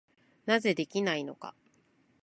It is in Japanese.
なぜできないのか。